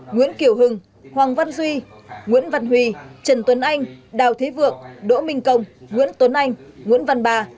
nguyễn kiều hưng hoàng văn duy nguyễn văn huy trần tuấn anh đào thế vượng đỗ minh công nguyễn tuấn anh nguyễn văn ba